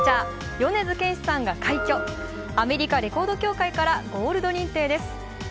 米津玄師さんが快挙、アメリカレコード協会からゴールド認定です。